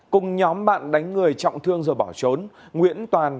cùng nhóm bạn đánh người trọng thương rồi bỏ trốn